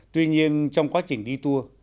tuy nhiên trong quá trình đi tour